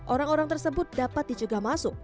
orang orang tersebut dapat dicegah masuk